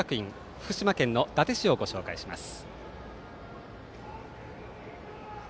福島県の伊達市をご紹介します。